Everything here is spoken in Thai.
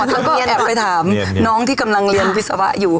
แล้วก็แอบไปถามน้องที่กำลังเรียนวิศวะอยู่